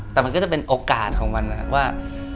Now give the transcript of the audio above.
แต่มันก็จะเป็นโอกาสของมันนะครับว่า